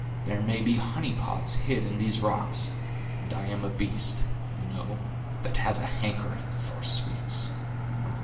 There may be honey pots hid in these rocks, and I am a beast, you know, that has a hankering for the sweets."